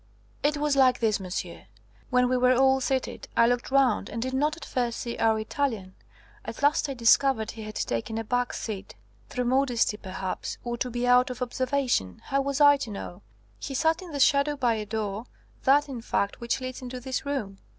"It was like this, monsieur. When we were all seated, I looked round, and did not at first see our Italian. At last I discovered he had taken a back seat, through modesty perhaps, or to be out of observation how was I to know? He sat in the shadow by a door, that, in fact, which leads into this room.